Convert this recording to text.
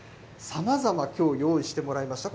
さまざまきょう、用意してもらいました。